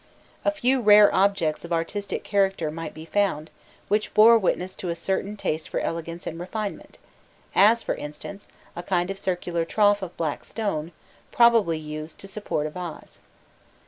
A few rare objects of artistic character might be found, which bore witness to a certain taste for elegance and refinement; as, for instance, a kind of circular trough of black stone, probably used to support a vase.